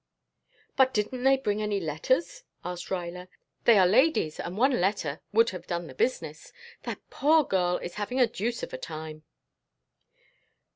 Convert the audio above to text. "But didn't they bring any letters?" asked Ruyler. "They are ladies and one letter would have done the business. That poor girl is having the deuce of a time."